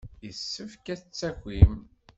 Yessefk ad d-takim.